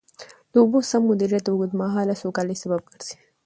د اوبو سم مدیریت د اوږدمهاله سوکالۍ سبب ګرځي.